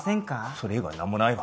それ以外何もないわ